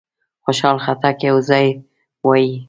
خوشحال خټک یو ځای وایي.